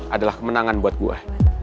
adalah kemenangan buat gue